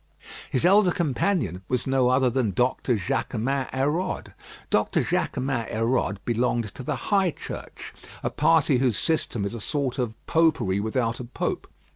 His older companion was no other than Doctor Jaquemin Hérode. Doctor Jaquemin Hérode belonged to the High Church; a party whose system is a sort of popery without a pope.